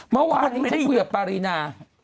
เมื่อวานที่พูดกับปารีนา